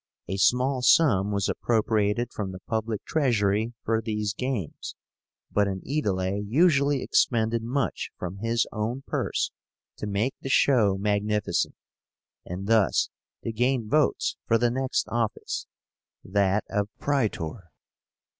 A small sum was appropriated from the public treasury for these games; but an Aedile usually expended much from his own purse to make the show magnificent, and thus to gain votes for the next office, that of Praetor.